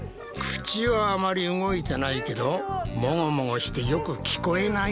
口はあまり動いてないけどモゴモゴしてよく聞こえないな。